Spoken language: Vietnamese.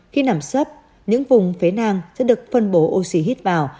khi nằm sấp những vùng phế nang sẽ được phân bổ oxy hít vào